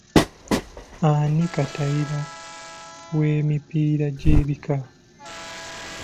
Ani katayira w'emipiira gy'ebika?